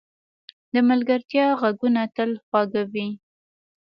د ملګرتیا ږغونه تل خواږه وي.